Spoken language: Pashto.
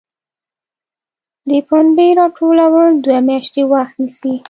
د پنبې راټولول دوه میاشتې وخت نیسي.